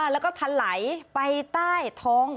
แล้วก็ทะไหลไปใต้ท้อง